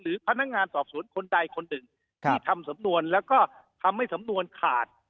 พนักงานสอบสวนคนใดคนหนึ่งที่ทำสำนวนแล้วก็ทำให้สำนวนขาด